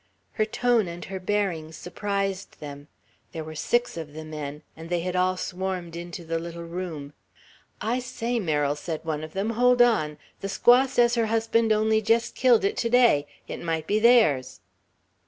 Her tone and bearing surprised them. There were six of the men, and they had all swarmed into the little room. "I say, Merrill," said one of them, "hold on; the squaw says her husband only jest killed it to day. It might be theirs."